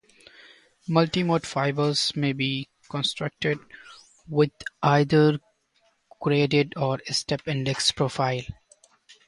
Multi-mode fibers may be constructed with either graded or step-index profile.